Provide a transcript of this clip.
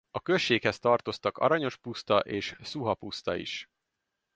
A községhez tartoztak Aranyos-puszta és Szuha-puszta is.